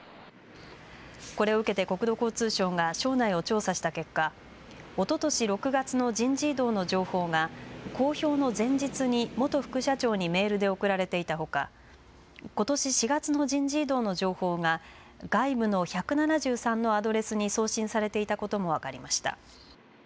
これを受けて国土交通省が省内を調査した結果、おととし６月の人事異動の情報が公表の前日に元副社長にメールで送られていたほかことし４月の人事異動の情報が外部の１７３のアドレスに送信されていたことも分かりました。